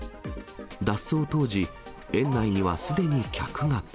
脱走当時、園内にはすでに客が。